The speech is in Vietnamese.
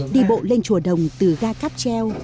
đi bộ lên chùa đồng từ ga cáp treo